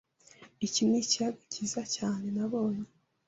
Iki ni ikiyaga cyiza cyane nabonye.